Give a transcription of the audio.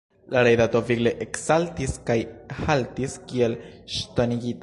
La rajdato vigle eksaltis kaj haltis kiel ŝtonigita.